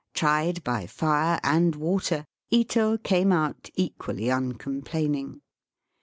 Tried by fire and water, Ito came out equally uncomplaining.